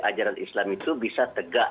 ajaran islam itu bisa tegak